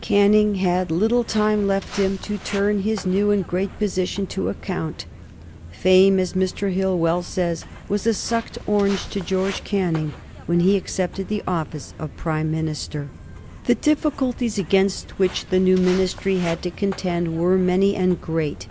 Canning had little time left him to turn his new and great position to account. Fame, as Mr. Hill well says, was a sucked orange to George Canning when he accepted the office of Prime Minister. The difficulties against which the new Ministry had to contend were many and great.